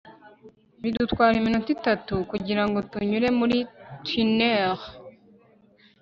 bidutwara iminota itanu kugirango tunyure muri tunnel